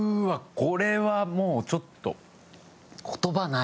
これはもうちょっと言葉ない。